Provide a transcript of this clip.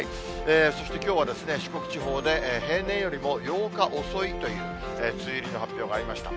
そしてきょうは、四国地方で平年よりも８日遅いという、梅雨入りの発表がありました。